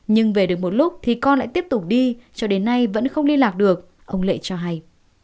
nhưng về được một lúc thì con lại tiếp tục đi cho đến nay vẫn không liên lạc được ông lệ cho hay